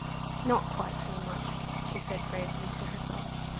"Not quite so much," she said bravely to herself.